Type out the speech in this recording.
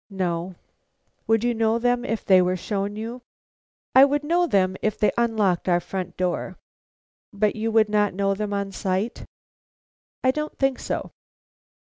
"No." "Would you know them if they were shown you?" "I would know them if they unlocked our front door." "But you would not know them on sight?" "I don't think so."